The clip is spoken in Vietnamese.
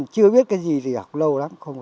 chưa biết cái gì thì học lâu lắm